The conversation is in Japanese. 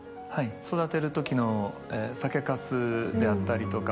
育てるときの酒粕であったりだとか。